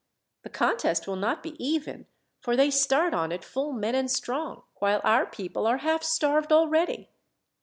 The contest will not be even, for they start on it full men and strong, while our people are half starved already."